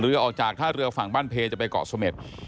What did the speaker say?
เรือออกจากท่าเรือฝั่งบ้านเพชรจะไปเกาะสมท